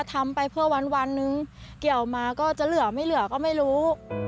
ทำไปเพื่อวันนึงเกี่ยวมาก็จะเหลือไม่เหลือก็ไม่รู้